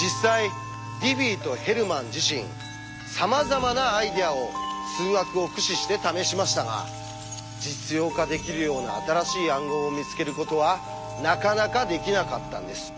実際ディフィーとヘルマン自身さまざまなアイデアを数学を駆使して試しましたが実用化できるような新しい暗号を見つけることはなかなかできなかったんです。